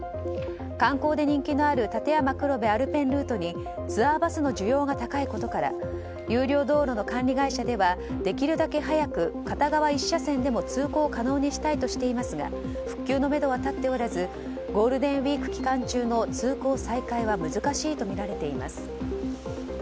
観光で人気のある立山黒部アルペンルートにツアーバスの需要が高いことから有料道路の管理会社ではできるだけ早く片側１車線でも通行を可能にしたいとしていますが復旧のめどは立っておらずゴールデンウィーク期間中の通行再開は難しいとみられています。